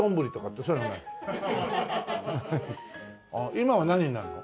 今は何になるの？